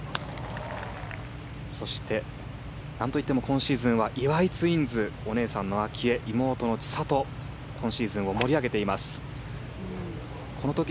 そして、なんといっても今シーズンは岩井ツインズお姉さんの明愛、妹の千怜今シーズンを盛り上げています。